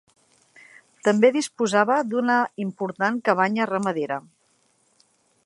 També disposava d'una important cabanya ramadera.